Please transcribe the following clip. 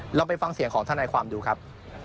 เราไปฟังเสียงของทนายความดูครับ